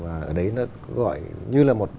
ở đấy nó gọi như là